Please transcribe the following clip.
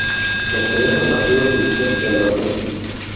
Pertenece al partido judicial de Albacete.